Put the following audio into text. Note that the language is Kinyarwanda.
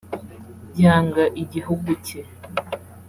yanga igihugu cye